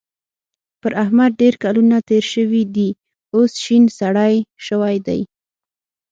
پر احمد ډېر کلونه تېر شوي دي؛ اوس شين سری شوی دی.